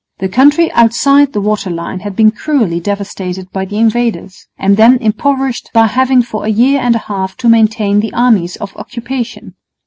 The country outside the water line had been cruelly devastated by the invaders, and then impoverished by having for a year and a half to maintain the armies of occupation.